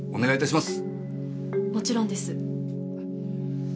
もちろんです。